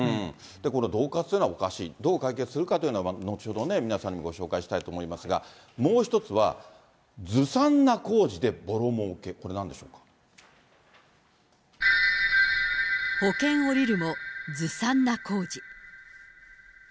これ、どうかつというのはおかしい、どう解決するかというのは、後ほどね、皆さんにご紹介したいと思いますが、もう一つは、ずさんな工事でぼろもうけ、保険下りるもずさんな工事。